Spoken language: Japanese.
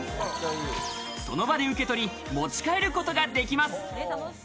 その場で受け取り、持ち帰ることができます。